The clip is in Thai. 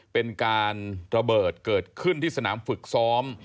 เป็นการระเบิดเกิดขึ้นที่สนามฝึกซ้อม